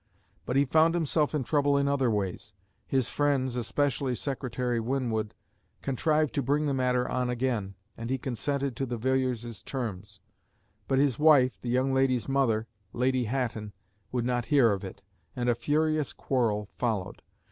But he found himself in trouble in other ways; his friends, especially Secretary Winwood, contrived to bring the matter on again, and he consented to the Villiers's terms. But his wife, the young lady's mother, Lady Hatton, would not hear of it, and a furious quarrel followed.